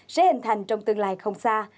sẽ hình thành trong tương lai không xa